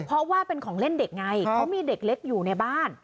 เพราะว่าเป็นของเล่นเด็กไงเขามีเด็กเล็กอยู่ในบ้าน